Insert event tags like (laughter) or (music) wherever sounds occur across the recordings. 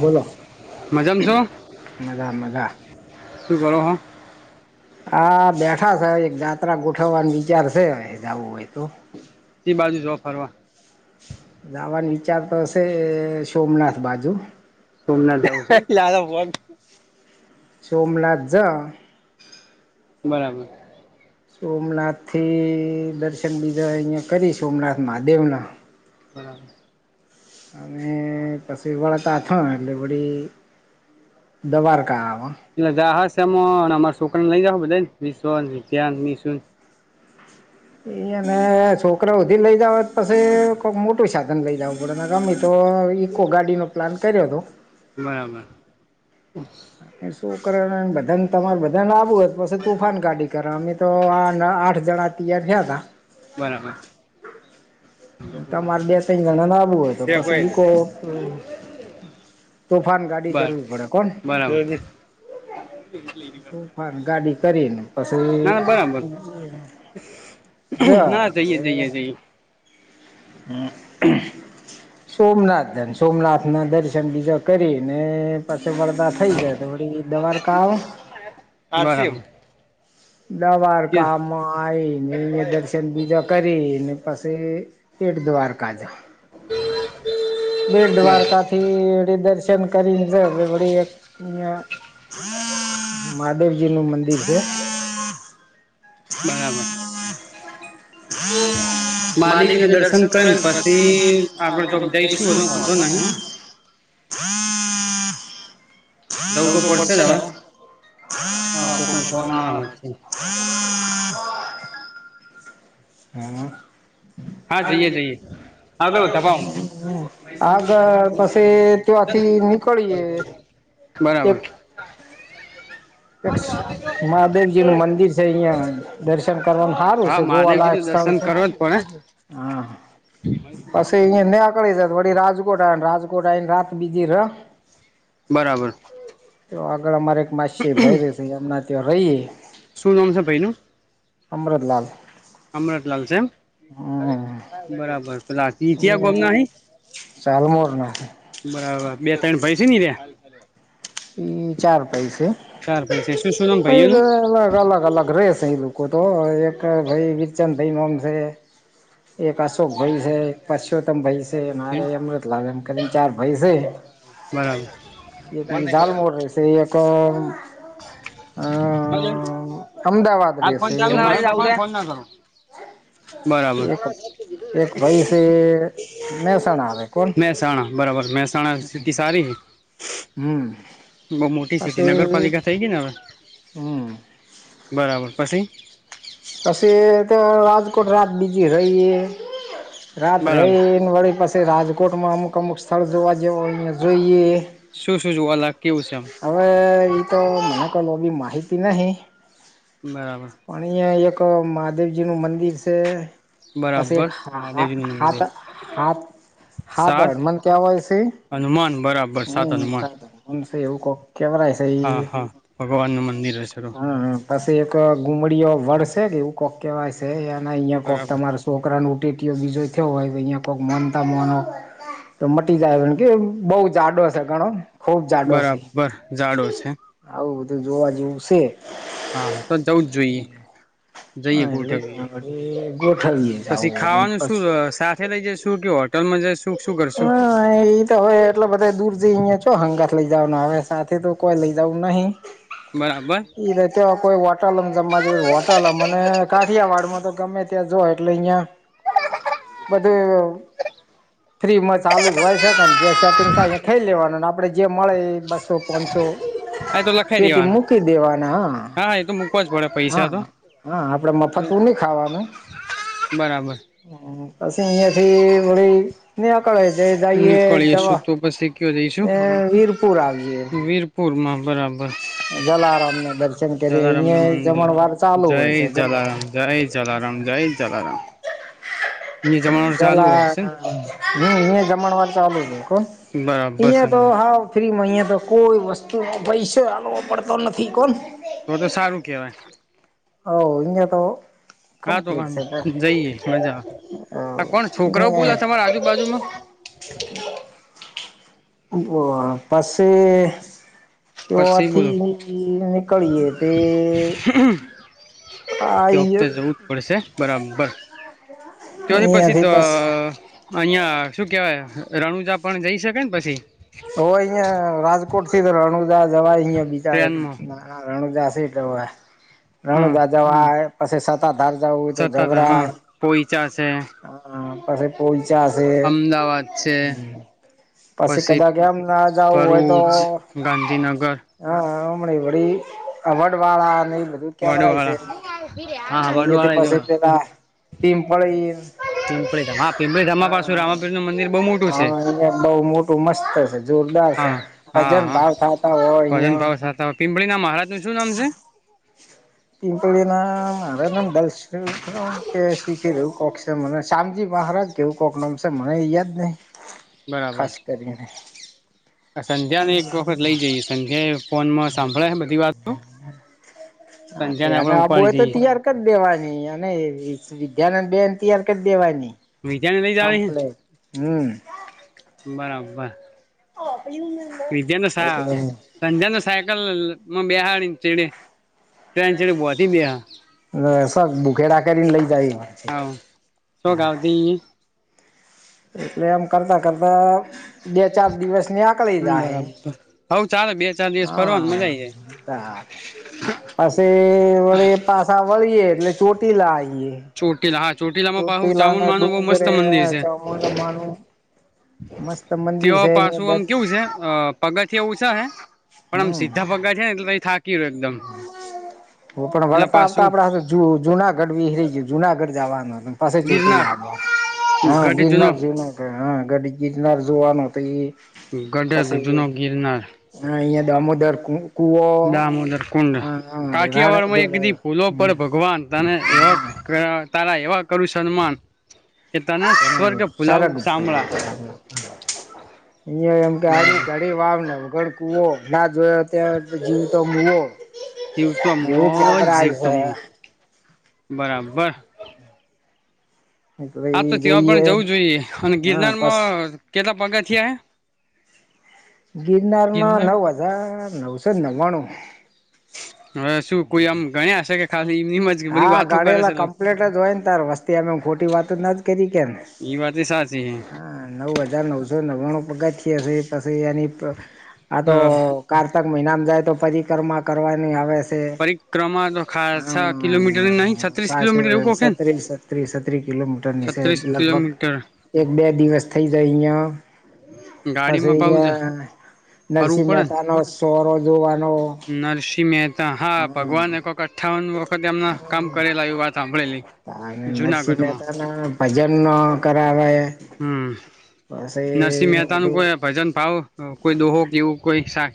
બોલો મજામાં છો મજા મજા શું કરો હો? આ બેઠા સે એક જાત્રા ગોઠવવાનું વિચાર છે, જવું હોય તો કે બાજુ જો ફરવા જાવાન વિચારતો શે સોમનાથ બાજુ સોમનાથ (unintelligible) સોમનાથ જા બરાબર. સોમનાથથી દર્શન બીજા અહિયા કરી સોમનાથ મહાદેવના બરાબર. અને પછી વળતા થાય એટલે વળી દ્વવારકા આવે એટલે જહાજ સે મ અને અમારા છોકરાને લઈ બધાને (unintelligible) એ અને છોકરાઓ હુધી લઈ જવા પછી કોક મોટું સાધન લઈ જવું પડે ગમે તો ઇકો ગાડી નો પ્લાન કર્યો હતો. બરાબર. શું કરેને બધાન તમારે બધાને આવું હોય પછી તુફાન ગાડી કરાવની તો આ ન આઠ જણા તૈયાર થયા તા બરાબર. તમારે બે તઈ જણા ને આવવું હોય તો છે કોઈ પછી ને ઈકો તોફાન ગાડી બર કરવી પડે કોણ બરાબર. તુફાન ગાડી કરીને પછી ના ના બરાબર જ એ ના જઈએ જઈએ જઈએ સોમનાથ જાઈ સોમનાથ ના દર્શન બીજા કરીને પાછા વળદા થઈ જાય વડી દવારકા આવું બરાબર બરાબર દવારકામાં આઈને દર્શન બીજા કરી ને પછી બેટ દ્વારકા જા બેટ દ્વારકાથી દર્શન કરીને જાય બે ઘડીએ અહીંયા મહાદેવજીનું મંદિર છે. બરાબર. મહાદેવજી મહાદેવજીને ના દર્શન કરીને પછી આપણે આગળ તો જો જઈશું હતો જવું હતો નહિ (inaudible) જવું તો પડશે ને હા કોક નો ફોન આવે છે. હમમ. હા જઈએ જઈએ હા તો તપાવો આગળ પછી ત્યાંથી નીકળીએ એક બરાબર. એક સે મહાદેવજી નું મંદિર છે અહિયાં દર્શન કરવાનું સારું છે જોવાલાયક સ્થળ પસંદ છે. કરો. હા પછી અહીં ન્યા કને જાવ પછી વળી રાત રાજકોટ આવાનું રાજકોટ આવીને રાત બીજી રો બરાબર તો આગળ અમારે એક માસીયાઈ ભઈ રે છે એમને ત્યાં રહીએ શું નામ છે ભઈ નું? અમૃતલાાલ. અમરતલાલ છે એમ. બરાબર પેલા ટી થયા ગામના અહીં? ચાલમોર ના બરાબર બે ત્રણ ભઈ છે ની ત્યા. એ ચાર ભઈ સે. ભાઈ છે શું શું નામ ભાઈઓ નું પણ અલગ અલગ અલગ રશે એ લોકો તો એક ભઈ વીરચંદ ભઈ નામ બે એક અશોક ભાઈ છે એક પરસોત્તમ ભાઈ છે મારે અમૃતલાલ એમ કરીને ચાર ભાઈ છે. એ બરાબર. દાલમોળ રે છે એક અ અમદાવાદ હાલ ફોન રહેશે ચાલુ સે હાલ ફોન ના કરો બરાબર. એક એક ભઈ સે. મહેસાણા આવે કોણ મહેસાણા બરાબર મહેસાણા હમ. બઉ મોટી સિટી પછી નગરપાલિકા થઈ ગઈ ને હવે હમ બરાબર પછી પછી તો રાજકોટ રાત બીજી રહીએ. રાત બરાબર રહી એને વળી પાછી રાજકોટમાં અમુક અમુક સ્થળ જોવા જેવને જોઈએ. શું શું જોવા અલા કેવું છે એમ? એ તો મને કી માહિતી નહી. બરાબર અહં એક મહાદેવજી નું મંદિર છે. પછી બરાબર એક હા હા મહાદેવજીનું હાથ મંદિર હાથ હા તો સાત હડમન ક્યાં હોય છે હનુમાન બરાબર સાત હમ હ હનુમાન હમન છે એવું ક કેમ છે એ હા હા ભગવાનનું મંદિર હશે તો હમ પછી એક ગુમડી વળસે કે એવું કોક કેવાય છે અહિયાં કોક બરાબર તમારા છોકરાનું રેટીયો બીજો થયો હોય તો અહીંયા કોઈક મનતા મોનો તો મટી જાય કે બઉ જાડો છે ઘણો ખુબ જાડો છે બરાબર જાડો છે આવું બધું જોવા જેવું છે. હા તો જવું જ જોઈએ. જઈએ એટલે ગોઠવ ગોઠવીએ જ આવું પછી હોય ખાવાનું શું પછી સાથે લઈ જે શું કેવ. હોટલ હા એ તો હોય એટલે બધા દૂર જ અયા ચો સંગત લઈ જવાનું આવે સાથે તો કોઈ લઈ જવું નહી. બરાબર ઈ ર તે કોઈ વટાલમ જમવા જ હોટાલમ અને કાઠિયાવાડમાં તો ગમે ત્યાં જો એટલે અહિયાં બધું ફ્રી માં ચાલુ જ હોય છેકે જે સેટિંગ થાય એ ખઇ લેવાનું આપડે જે મળે એ બસો પોચસો. હ. હા તો લખાઈ પેટી દેવાના મૂકી દેવાના હા હા એ તો મૂકવા જ પડે હ હ પૈસા તો હા આપડફતવું ન ખાવાનું બરાબર. પછી અહિયા થી ભી કળે દાય નીકળીશું જવા તો પછી કયો જઈશું એ વીરપુર આવી વીરપુરમાં બરાબર. ના દર્શન કરીએ જલારામ ન અહિયાં મંદિર જમણવાર ચાલુ જય હોય છે ગમે જલારામ જય જલારામ ગાયલ ચાલ. એલા હશે ન જમણવા ચાલુ બરાબર અહિયાં તો સમજી હા ફ્રીમાં અહિયાં તો કોઈ વસ્તુ હાલવો પડતો નથી કોણ તો તો સારું કેવાય હ જ તો હા કમ્પ્લીટ તોકાન છે તા જઈએ મજા અ આ કોણ છોકરાઓ બોલા તમારા આજુબાજુમાં પાસેસે તે ઓ પછી બોલો આાથી નકળીએ તે કે આઈ વખતે જવું જ પડશે બરાબર તોહી પછી અહીંયાથી તો બસ અહિયાં શું કેવાય રણુજા પણ જઈ શકે ને પછી વા બી ટ્રેનમાં રણુદાસ હા રણુદ દવા પછી સતાધાર જવું હોય તો સતાધાર હા ઘરાય પોઈચા છે પછી પો ચશે અમદાવાદ છે પાછ પછી કદા કે એમ ના જવું હોય તો ભરૂચ ગાંધીનગર હા બડી અવડ વાળા બધું કેમરાય છે વડવાળા હા થી વડવાળા જો પાસે પેલા ટીમ પ પિંપળી ધામ હા પિંપળી ધામમાં પાછું હા રામાપીર નું મંદિર બહુ મોટું છે હા એ બહ મોટું મસ્ત છે જોરદાર છે હા હા ભજન ભાવ ખાતા હો અહં આપણી ના મહારાજ નું શું નામ છે ચૂંટણીના મારેને શાંતિ મ પણ હારા કેવું કોક નોમસે મને એ યાદ નહિ ખાસ કરીને આ સંધ્યા ને એક વખત લઇ જઈએ સંધ્યા એ ફોન માં સાંભળે હે બધી વાતો હા સંધ્યા ને તેને આપડે આબૂ ઉપાડી હોય તો જઈએ તૈયાર કરી દેવાની અને એ-એ વિદ્યાને ને બેન તૈયાર કરી દેવાની વિદ્યાને લઈ જાવી હે કમ્પ્લેટ હમ બરાબર વિદ્યાને સા-ન એટલે સંધ્યાને સાયકલ માં બેહાળીન ચળે તો એની જોળે બોંધી બેહ ફેરા કરીન લઇ જાઈ આવ શોખ આવતી ને એમ કરતા કરતા-કરતા બે ચાર દિવસ નેકાળી જાહે હોવ ચાલે બે ચાર દિવસ ફરવાનું મજા આઈ જાય પસી વળી પાસા વળીએ એટલે ચોટીલા આઈ ચોટીલા હા ચોટીલામાં પાહુ ચામુંડ ના માનું બઉ મસ્ત ડુંગરે મંદિર સે ચામુંડમાનું મસ્ત મંદિર તેવા છે અહિયાં પાસું આમ દર કેવું સે અ પગથીયા ઉ છ હે પણ આમ સીધા પગાથિયા ને એટલે પહિ થા હું પણ એટલે વળતા આવતા પાછું આપળા આગળ જુનાગઢ વિહરિ ગ્યું જુનાગઢ જાવાનું હતું ને પસી ગિરનાર ચોટીલા આવ હા ગઢ જૂનો ગિરનાર ગિરનાર હ ગાંડી ગિરનાર જોવાનું હતું એ ગઢ પસી જૂનો ગિરનાર હા ઇયા દામોદર કું-કૂવો દામોદર કુંડ કાઠિયાવાળ માં એકદી ભૂલો પળ ભગવાન તને એવા કયા તારા એવા કરું સન્માન કે તને સ્વર્ગ ભુલાવું શામળા ઇયા એમકે (unintelligible) કુવો ના જોયો ત્યાં જીવતો મૂવો જીવતો મૂવો જીવતો મૂઓ બરાબર છે હા તો ભાઈ ત્યાં પણ જોઈએ જવું જોઈએ અને હા પસ ગિરનારમાં કેટલા પગથિયા હે ગિરનારમાં ગિરનાર નવ હજાર નવસો નવ્વાણું હવે શું કોઈએ આમ ગણ્યા હશે કે ખા હા ગણેલા કમ્પલેટ જ હોયન તાર વસ્તી એમ એમ ખોટી વાતુંતો નજ કરીન કેને એ વાત એ સાચી હા નવ હજાર નવસો નવ્વાણું પગથિયા સે પછી એની પ-આતો હે કાર મહિનામાં જાય તો પરિકરમા કરવાની આવેસ પરિક્રમા તો ખાસા કિલોમીટર નહીં હ-હ-હ તો છત્રીસ આ સે કિલોમીટર એવું કોક હે ને સત્રી-સત્રીસ-છત્રી કિલોમીટરની સે છત્રીસ લગભગ કિલોમીટર એક બે દિવસ થઇ જાય ઇયા ગાડી મ્પાવજે ફરવું નરસિંહ પડીને મહેતા નો સોરો જોવાનો નરસિંહ મહેતા હા હમ ભગવાન એક વખત અઠ્ઠાવન વ વખત એમના કામ કરેલા એવી વાત હાંભળી અને નરસિંહ મહેતાના ભજન કરાવે હમ નરસિંહ પછી મહેતાનું બધું કોઈ આ ભજન ભાવ અ-કોઈ દુહો કે એવું કોઈક શા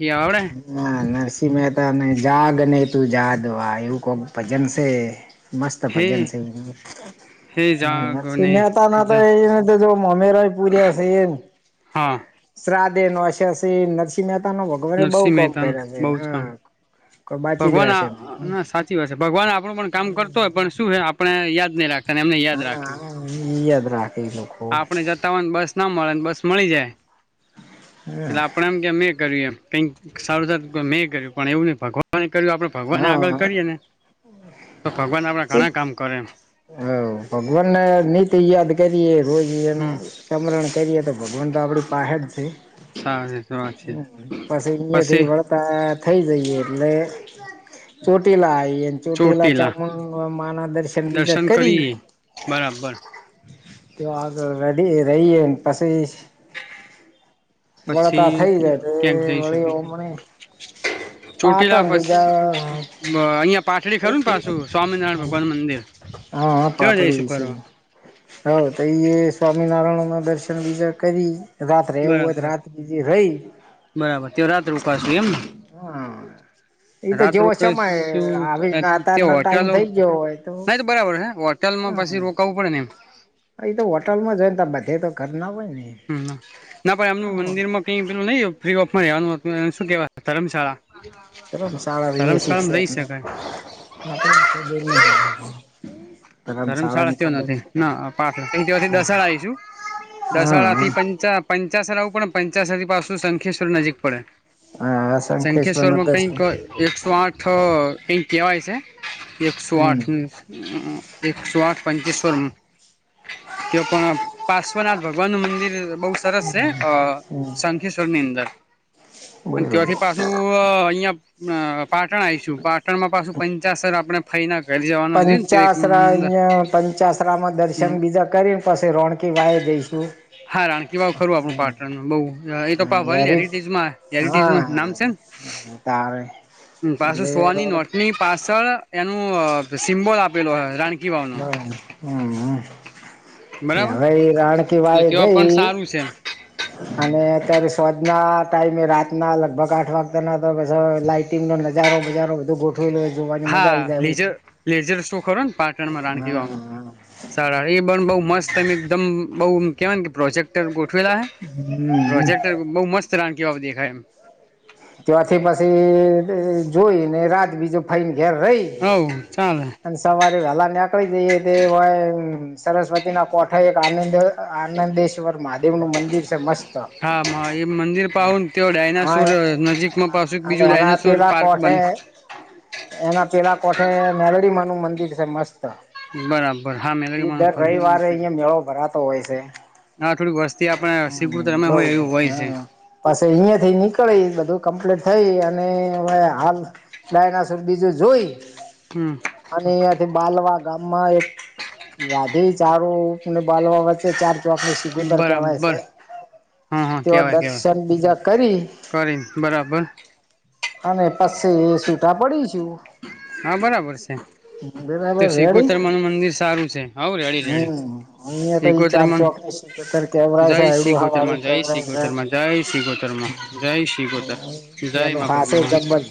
ના નરસિંહ મહેતા નઈ જાગ ને તું જાદવા એવું કોક ભજન સે મસ્ત હે ભજન સે ઈએ હે (unintelligible) નરસિંહ જાગને મહેતાના તો જા એ વાતે જો અમેરાઇ પૂર્યા સીએને હા શ્રાદ એ નાખ્યા સે નરસિંહ મહેતાના ભગવોને બઉ નરસિંહ કોમ મહેતાનું કર્યા સે બહુ હ જ કામ ભગવાન ના સાચી વાત છે, ભગવાન આપણું પણ કામ કરતો હોય પણ શું હે આપને યાદ નહી રાખતા ને એમને યાદ રાખ્યું હા યાદ રાખે એ લોકો આપણે જતા હોય ને બસ ના મળે ને બસ મળી જાય, એટલે આપડ એમ કે અમે કર્યું એમ કઈક સારું સારું મેં કર્યું પણ એવું નને ભગવા કર્યું આપડે ભગવાન આગળ હા કરીએ ને તો ભગવાન આપણા ઘણા કામ કરે એમ હ ભગવાનને નીત યા રોજ એનું હમ સમમરણ કરીએ તો ભગવાન તો આપણી પાહેડ છે સારી વાત છે હમ પછી અહયાથી વળતા થઈ જઈએ અને ચોટી લ એ ચોટીલા ચ પણ માના દર્શન બીજ કરી બરાબર તાર રેડી રહી પછી વળતા પછી થઈ જાય તે ક્યાંક જઈશું વળી બીજે ઓમણી પાટ ચોટીલા અબીજ પછી અહિયાં પાટડી ખરું ને પાછું સ્વામિનારાયણ ભગવાન મંદિર હા ત્યાં પાટળ વિ જઈશું છે ફરવા હ તો એ સ્વામિનારાયણના દર્શન બીજા કરી રાત્રે રહેવું હોય તો બરાબર રાત બીજી થઈ બરાબર તે રાત રોકાશું એમ ને હા એતો રાત જોવો સમમાય રોકાશું આવી તે આતાર નો ટાઈમ હોટલો થઈ ગયો હોય તો ના બરાબર હે હોટલમાં પછી રોકાવું પડે ને એમ હ એ તો હોટલમાં જય ત બધે તો ઘર ના હોય ને હમ ના પણ એમનું મંદિરમાં કઈ પેલું નઈ ફ્રી ઓફ મા રેવાનું હતું એને શું કેવા ધરમશાળા ધરમશાળા અહીયા ધરમશાળામાં રહી શિક્ષક શકાય. (inaudible) ધરમશાળા ધર્મશાળા ની તય ખબર નથી ને ના પાક દસાડા આવીશું દસાડા હા થી પંચા પંચાસર આવું પડે પંચાસર પાછું સંખેશ્વર નજીક પડે હા શંખેશ્વર ન સંંખેશ્વરમાં કઈક દર્શન એકસો આઠ કઈક કહેવાય છે. એકસો હમ આઠ એકસો આઠ પંચશ્વર તે પણ પાશ્વનાથ ભગવાનનુ મંદિર બોવ સરસ છે, અ શંખશ્વરની અંદર અન બરોબર તયાથી પાછું અહિયાં અ પાટણ આવીશું પાટણમાં પાછું પંચાસર આપણે ફાઈ ના પંચાશરા અયા પંચાસરામાં દર્શન બીજા કરીને પછી રોણકી વાય જઈશું હા રાણકી વાવ ખરું આપણું પાટણ નુ બઉ એ તો હા વર્લ્ડ હેરી હેરિટેજમાં હેરિટેજ હા નામ છે. તારે પાસો એટલે સોની રોણ નોટની પાછળ એનું સિમ્બોલ અ આપેલો હો રા બરા હમ ને બરાબર હવે એ રાણકી તો વાવ તેવા જઈ પણ સારું છે એમ અને અત્યારે સોદના ટાઈમે રાતના લગભગ આઠ વાગતાના તો (unintelligible) લાઈટિંગનો નજારો બજારો બધો ગોટ હા લેઝર લેઝર શો ખરો ને પા ટણમા હા રાણકીવાવ માં હા સારા એ બ બોવ મસ્ત એમ એકદમ બોવ કેવાય કે પ્રોજેક્ટ ટર ગોઠવેલા હે હમ પ્રોજેક્ટર બઉ મસ્ત રાણકી વાવ દેખાય એમ તો આથી પછી જોઈને રાત બીજો ફાઈન ઘેર રહી હવ ચાલે અને સવારે વેલા જઈએ તે હોય સરસ્વતીના કોઠ એક આનંદ આનંદેશ્વર મહાદેવ નું મંદિર છે, મસ્ત હા મા એ મંદિર પાહન તેઓ હા ડાયનાસુર અને એના પેલા કોઠે એના પેલા કોઠે નરડી મ નુ મંદિર છે, મસ્ત બરાબર હા મેલડી ઈ માં દર ખરું રવિવારે અયા મેળો ભરાતો હોય છે. હા થોડીક વસ્તી આપણે સીપુતરમે હોય એવું હોય છે. પછી અહિયાથી નીકળી બધું કમ્પ્લીટ થઈ અને હવે હાલ ડાયનાસોર બીજું જોઈ હમ અને અયાથી બાલવા ગામમાં એક રાધી ચારું ને બાલવા વચ્ચે ચાર આપડે સિબુતર કવાય છે, બરાબર હા હા તેઓ કેવાય કેવાય દર્શન બીજા કરી કરીને બરાબર. અને પસી સુટા પડી છું. હા બરાબર છે. તો રેડી સ્રગોતરમા નું મંદિર સારું છે, હવ રેડી રેડી હમ અહિયાં તો ચાર શગોતરમા ચોક ની શીગુતર કેવરાય છે જાય એડું શીગો હા તર વાળી જય કેવરાય શીગો છે. તર જય શીખો તર જય શીખો તર એનું હાસે જાયમાં (unintelligible) જબર